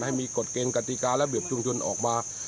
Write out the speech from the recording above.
ให้มีกฎเกณฑ์กติการะเบียบชุมชนออกมา